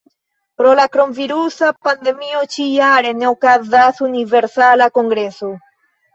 Pro la kronvirusa pandemio ĉi-jare ne okazas Universala Kongreso.